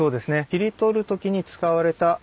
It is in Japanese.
切り取るときに使われた穴。